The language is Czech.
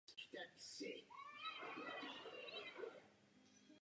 Sem také přestěhoval svoji matku z Prahy.